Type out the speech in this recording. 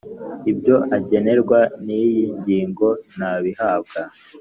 ibyo agenerwa n iyi ngingo ntabihabwa